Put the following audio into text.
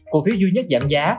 cổ phiếu duy nhất giảm giá